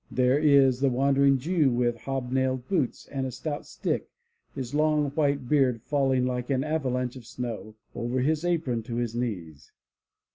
There is the Wandering Jew with hobnailed boots and a stout stick, his long, white beard falling, like an avalanche of snow, over his apron to his knees.